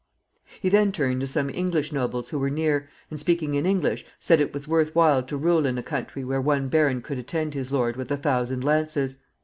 He then turned to some English nobles who were near, and speaking in English, said it was worth while to rule in a country where one baron could attend his lord with a thousand lances.